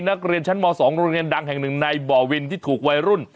นักเรียนชั้นม๒โรงเรียนดังแห่งหนึ่งในบ่อวินที่ถูกวัยรุ่น